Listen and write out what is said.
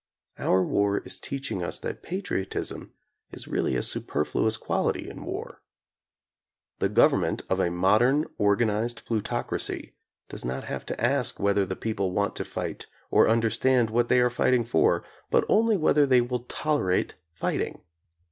Our war is teaching us that patriotism is really a superfluous quality in war. The government of a modern organized plutocracy does not have to ask whether the people want to fight or understand what they are fighting for, but'tmly whether they will tolerate fighting.